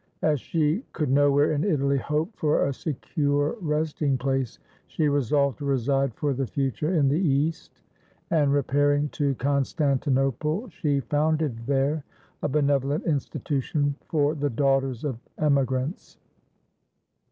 As she could nowhere in Italy hope for a secure resting place, she resolved to reside for the future in the East, and, repairing to Constantinople, she founded there a benevolent institution for the daughters of emigrants.